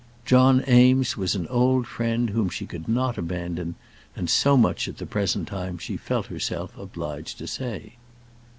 John Eames was an old friend whom she could not abandon, and so much at the present time she felt herself obliged to say.